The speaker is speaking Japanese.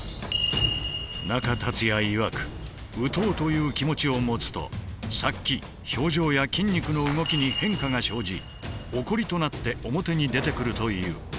中達也いわく「打とう」という気持ちを持つと殺気・表情や筋肉の動きに変化が生じ「起こり」となって表に出てくるという。